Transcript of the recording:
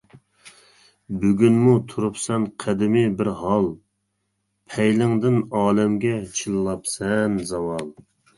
بۈگۈنمۇ تۇرۇپسەن قەدىمىي بىر ھال، پەيلىڭدىن ئالەمگە چىللاپسەن زاۋال.